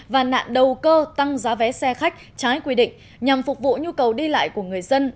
và nạn đầu cơ tăng giá vé xe khách trái quy định nhằm phục vụ nhu cầu đi lại của người dân